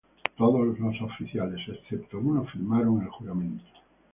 Todos los oficiales, excepto uno, firmaron el juramento.